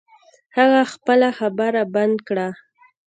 هغه خپله خبره بند کړه.